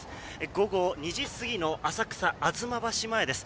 午後２時過ぎの浅草・吾妻橋前です。